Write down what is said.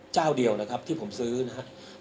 เจ้าเดียวนะครับที่ผมซื้อนะครับ